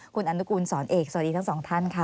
คุณอนุกูลสอนเอกสวัสดีทั้งสองท่านค่ะ